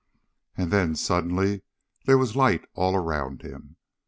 And then, suddenly, there was light all around him.